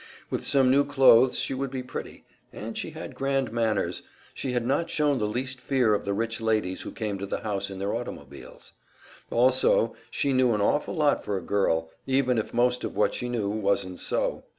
With some new clothes she would be pretty, and she had grand manners she had not shown the least fear of the rich ladies who came to the house in their automobiles; also she knew an awful lot for a girl even if most of what she knew wasn't so!